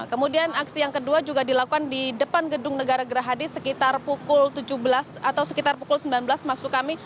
kemudian aksi yang kedua juga dilakukan di depan gedung negara gerahadi sekitar pukul tujuh belas atau sekitar pukul sembilan belas maksud kami